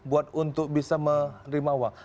untuk bisa menerima uang